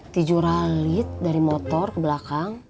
tijur alit dari motor ke belakang